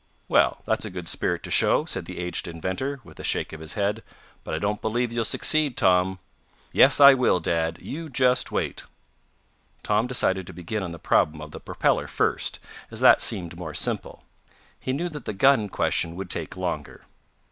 "Well, that's a good spirit to show," said the aged inventor, with a shake of his head, "but I don't believe you'll succeed, Tom." "Yes I will, Dad! You just wait." Tom decided to begin on the problem of the propeller first, as that seemed more simple. He knew that the gun question would take longer.